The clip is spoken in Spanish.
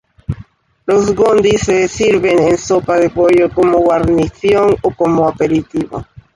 Los gondi se sirven en sopa de pollo, como guarnición o como aperitivo.